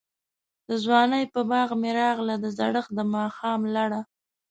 دځوانۍ په باغ می راغله، دزړښت دماښام لړه